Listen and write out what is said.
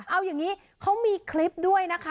เอาอย่างนี้เขามีคลิปด้วยนะคะ